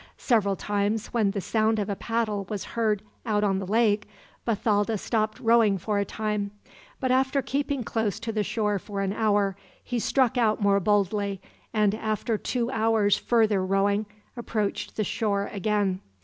Several times, when the sound of a paddle was heard out on the lake, Bathalda stopped rowing for a time; but after keeping close to the shore for an hour, he struck out more boldly and, after two hours' further rowing, approached the shore again.